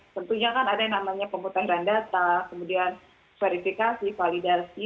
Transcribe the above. tentunya kan ada yang namanya pemutaran data kemudian verifikasi validasi